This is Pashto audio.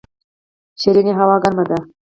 ښرنې هوا ګرمه ده؟